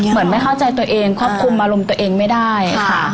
ไม่เข้าใจตัวเองควบคุมอารมณ์ตัวเองไม่ได้ค่ะ